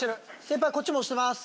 先輩こっちも押してます。